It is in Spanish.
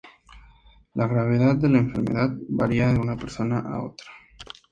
La gravedad de la enfermedad varía de una persona a otra.